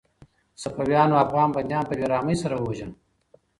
صفویانو افغان بندیان په بې رحمۍ سره ووژل.